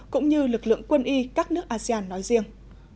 cũng như lực lượng quân y các nước asean nói riêng